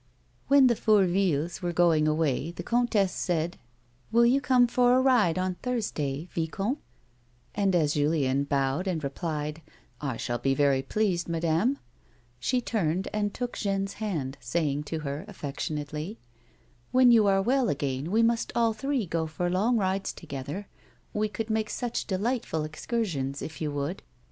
When the Fourvilles were going away the comtesse said :" Will you come for a ride on Thursday, vicomte 1 " And as Julien bowed and replied, " I shall be very pleased, madame," she turned and took Jeanne's hand, saying to her, affectionately :" When you are well again we must all three go for long rides together. We could make such delightful excursions if you would."